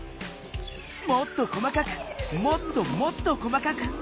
もっと細かくもっともっと細かく。